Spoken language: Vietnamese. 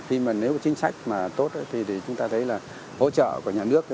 khi mà nếu chính sách mà tốt thì chúng ta thấy là hỗ trợ của nhà nước